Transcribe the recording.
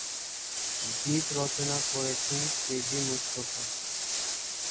গীত রচনা করেছেন কে জি মুস্তফা।